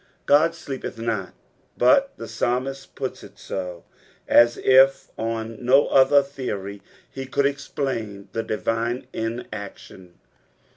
God aleepeth not, bnt the pasbniat puts it so, as if on no other theory he could explain the divine inaction.